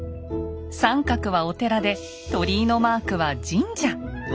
「△」はお寺で鳥居のマークは神社。